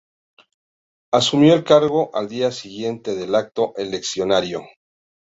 Asumió el cargo al día siguiente del acto eleccionario.